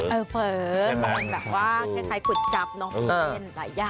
เฟอร์มันแบบว่าคล้ายกุดจับเนอะ